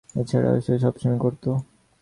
এছাড়াও, সে সবসময়ই করতো।